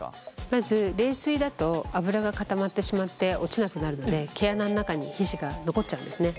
まず冷水だと脂が固まってしまって落ちなくなるので毛穴の中に皮脂が残っちゃうんですね。